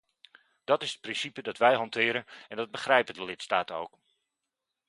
Dat is het principe dat wij hanteren en dat begrijpen de lidstaten ook.